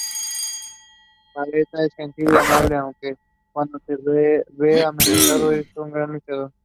Peeta es gentil y amable, aunque cuando se ve amenazado, es un gran luchador.